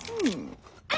あ！